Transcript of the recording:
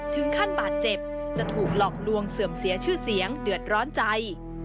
ถึงขั้นบาดเจ็บจะถูกหลอกลวงเสื่อมเสียชื่อเสียงเดือดร้อนใจ